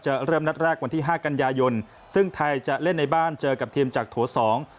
เริ่มนัดแรกวันที่ห้ากันยายนซึ่งไทยจะเล่นในบ้านเจอกับทีมจากโถสอง